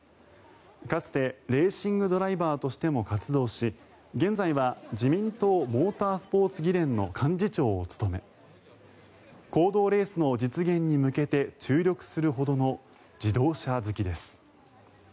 かつてレーシングドライバーとしても活動し現在は自民党モータースポーツ議連の幹事長を務め公道レースの実現に向けて注力するほどの自動車好きです。